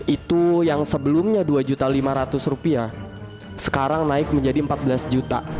itu yang sebelumnya rp dua lima ratus sekarang naik menjadi rp empat belas juta